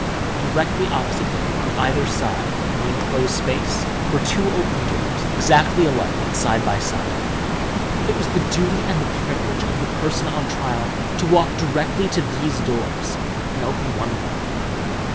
Directly opposite him, on the other side of the inclosed space, were two doors, exactly alike and side by side. It was the duty and the privilege of the person on trial to walk directly to these doors and open one of them.